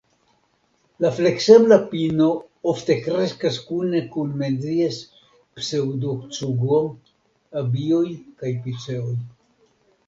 La fleksebla pino ofte kreskas kune kun Menzies-pseŭdocugo, abioj kaj piceoj.